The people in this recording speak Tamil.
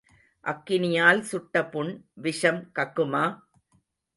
அக்கினியால் சுட்ட புண் விஷம் கக்குமா?